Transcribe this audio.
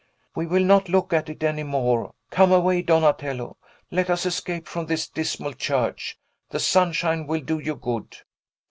"We will not look at it any more. Come away, Donatello. Let us escape from this dismal church. The sunshine will do you good."